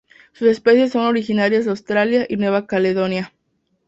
Sus especies son originarias de Australia y Nueva Caledonia.